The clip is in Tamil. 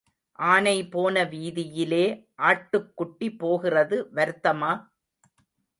ஆனை போன வீதியிலே ஆட்டுக்குட்டி போகிறது வருத்தமா?